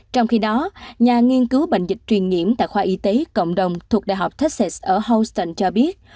trong khi đó nhà nghiên cứu bệnh dịch truyền nhiễm tại khoa y tế cộng đồng thuộc đại học techs ở houston cho biết